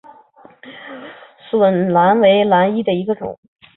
笋兰为兰科笋兰属下的一个种。